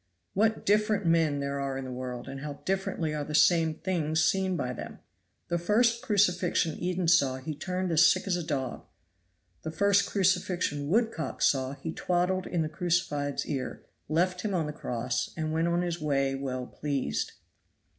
What different men there are in the world, and how differently are the same things seen by them! The first crucifixion Eden saw he turned as sick as a dog the first crucifixion Woodcock saw he twaddled in the crucified's ear, left him on the cross, and went on his way well pleased.